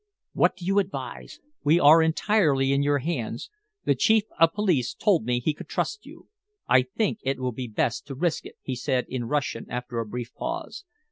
"What do you advise? We are entirely in your hands. The Chief of Police told me he could trust you." "I think it will be best to risk it," he said in Russian after a brief pause.